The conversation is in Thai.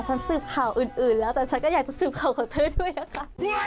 สืบข่าวอื่นแล้วแต่ฉันก็อยากจะสืบข่าวของเธอด้วยนะคะ